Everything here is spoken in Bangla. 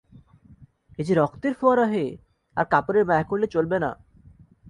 এ যে রক্তের ফোয়ারা হে! আর কাপড়ের মায়া করলে চলবে না।